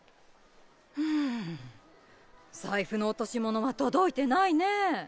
うん財布の落とし物は届いてないねぇ。